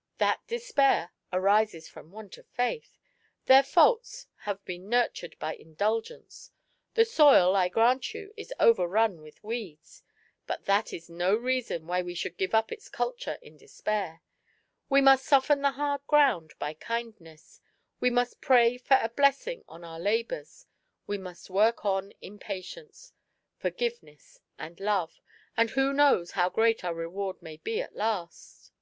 " That despair arises from want of faith. Their faults have been nurtured by indulgence; the soil, I grant you, is overrun with weeds, but that is no reason why we should give up its culture in despair. We must soften the hard ground by kindness, we must pray for a bless ing on our labours, we must work on in patience, for giveness, and love, and who knows how great our reward may be at last!"